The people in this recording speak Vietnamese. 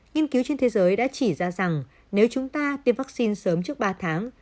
nghiên cứu trên thế giới đã chỉ ra rằng nếu chúng ta tiêm vaccine sớm trước ba tháng